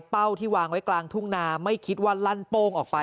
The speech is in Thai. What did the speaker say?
เป้าที่วางไว้กลางทุ่งนาไม่คิดว่าลั่นโป้งออกไป